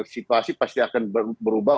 situasi pasti akan berubah